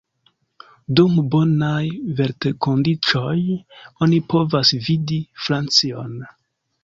Dum bonaj veterkondiĉoj oni povas vidi Francion.